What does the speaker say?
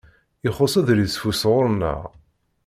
Ixuṣ udlisfus ɣur-neɣ.